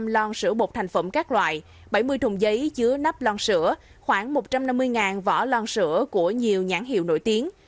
bảy năm trăm hai mươi năm lon sữa bột thành phẩm các loại bảy mươi thùng giấy chứa nắp lon sữa khoảng một trăm năm mươi vỏ lon sữa của nhiều nhãn hiệu nổi tiếng